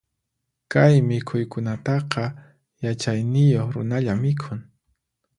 Kay mikhuykunataqa, yachayniyuq runalla mikhun.